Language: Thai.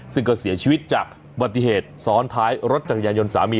ซึ่งก็เสียชีวิตจากอุบัติเหตุซ้อนท้ายรถจักรยานยนต์สามี